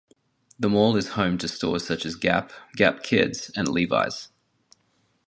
The mall is home to stores such as Gap, Gap Kids, and Levi's.